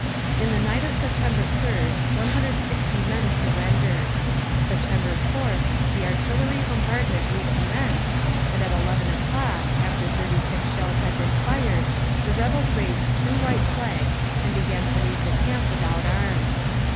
In the night of September 3d 160 men surrendered. September 4th the artillery bombardment recommenced, and at 11 o'clock, after 36 shells had been fired, the rebels raised two white flags and began to leave the camp without arms.